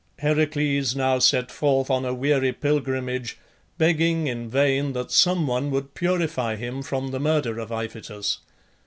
Heracles now set forth on a weary pilgrimage, begging in vain that some one would purify him from the murder of Iphitus.